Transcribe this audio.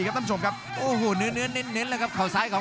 รับทราบบรรดาศักดิ์